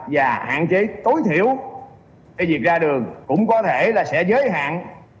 và hạn chế tối thiểu cái việc ra đường cũng có thể là sẽ giới hạn